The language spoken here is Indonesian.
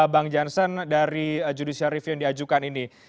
bang jansen dari judicial review yang diajukan ini